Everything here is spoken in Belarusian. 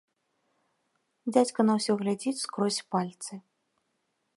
Дзядзька на ўсё глядзіць скрозь пальцы.